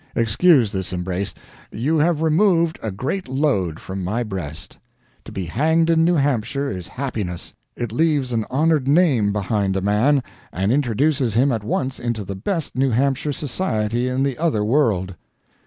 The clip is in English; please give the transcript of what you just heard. excuse this embrace you have removed a great load from my breast. To be hanged in New Hampshire is happiness it leaves an honored name behind a man, and introduces him at once into the best New Hampshire society in the other world."